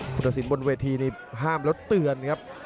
พุทธศิลปบนเวทีนี่ห้ามแล้วเตือนครับ